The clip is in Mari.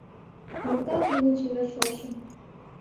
Моктат нуно чевер шошым: